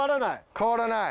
変わらない。